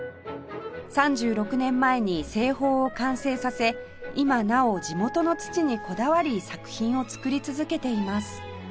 ３６年前に製法を完成させ今なお地元の土にこだわり作品を作り続けています